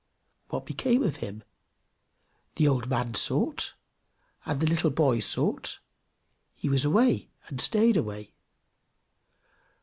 What became of him? The old man sought, and the little boy sought; he was away, and he stayed away.